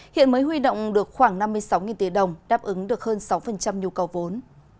hiện mới huy động được khoảng năm mươi sáu tỷ đồng đáp ứng được hơn sáu nhu cầu vốn